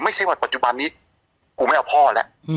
ไม่ใช่ว่าปัจจุบันนี้กูไม่เอาพ่อแล้ว